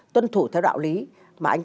tuân thủ theo đạo lý mà anh